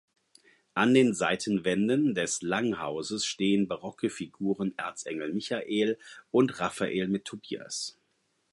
An den Seitenwänden des Langhauses stehen barocke Figuren Erzengel Michael und Raphael mit Tobias.